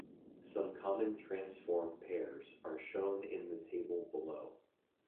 Some common transform pairs are shown in the table below.